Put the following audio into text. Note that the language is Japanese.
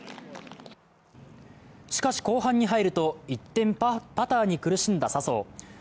しかし、後半に入ると一転、パターに苦しんだ笹生。